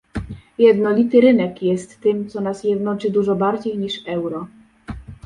Jednolity rynek jest tym, co nas jednoczy dużo bardziej niż euro